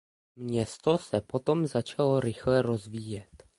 Město se potom začalo rychle rozvíjet.